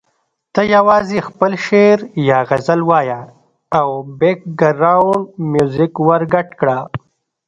ته یوازې خپل شعر یا غزل وایه او بېکګراونډ میوزیک ورګډ کړه.